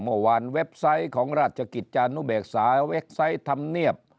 เมื่อวานเว็บไซต์ของราศกิจจานุเบกษาเว็บไซต์ทำเนียบ